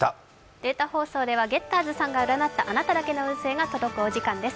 データ放送ではゲッターズさんが占ったあなただけの運勢が届くお時間です。